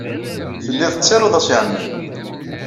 Telliḍ tettaruḍ-as i ɛemmi-m.